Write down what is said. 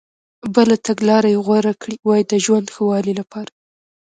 بله تګلارې یې غوره کړي وای د ژوند ښه والي لپاره.